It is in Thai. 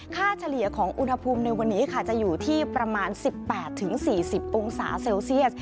เฉลี่ยของอุณหภูมิในวันนี้ค่ะจะอยู่ที่ประมาณ๑๘๔๐องศาเซลเซียส